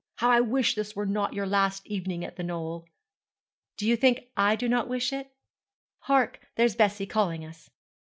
How I wish this were not your last evening at the Knoll!' 'Do you think I do not wish it? Hark, there's Bessie calling us.'